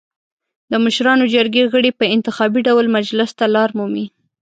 د مشرانو جرګې غړي په انتخابي ډول مجلس ته لار مومي.